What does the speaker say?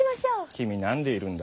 君何でいるんだ。